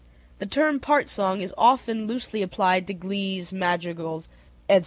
The term part song is often loosely applied to glees, madrigals, etc.